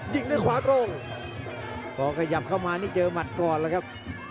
ยิงด้วยขวาตรงพอขยับเข้ามานี่เจอหมัดก่อนแล้วครับ